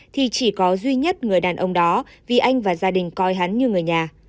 thì chỉ có duy nhất người đàn ông đó vì anh và gia đình coi hắn như người nhà